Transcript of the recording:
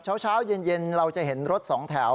เช้าเช้าเย็นเย็นเราจะเห็นรถสองแถว